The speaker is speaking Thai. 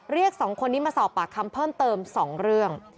เรียก๒คนนี้มาสอบปากคำเพิ่มเติม๒เรื่อง